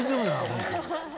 ホント。